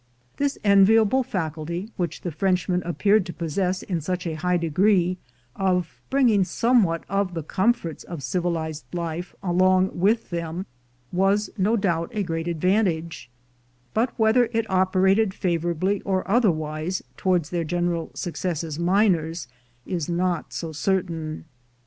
This enviable faculty, which the Frenchmen ap peared to possess in such a high degree, of bringing somewhat of the comforts of civilized life along with them, was no doubt a great advantage; but whether it operated favorably or otherwise towards their general success as miners, is not so certain.